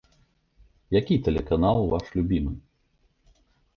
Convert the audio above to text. Які тэлеканал ваш любімы?